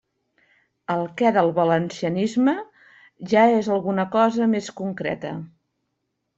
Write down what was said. El «què» del valencianisme, ja és alguna cosa més concreta.